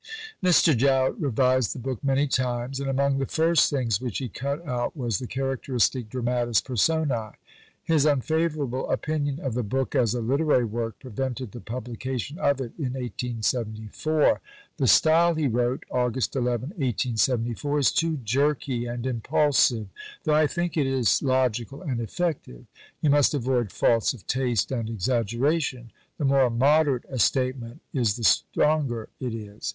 Mr. Jowett revised the book many times, and among the first things which he cut out was the characteristic "Dramatis Personæ." His unfavourable opinion of the book as a literary work prevented the publication of it in 1874. "The style," he wrote (Aug. 11, 1874), "is too jerky and impulsive, though I think it is logical and effective. You must avoid faults of taste and exaggeration. The more moderate a statement is the stronger it is.